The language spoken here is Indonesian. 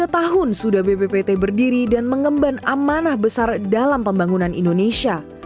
dua puluh tahun sudah bppt berdiri dan mengemban amanah besar dalam pembangunan indonesia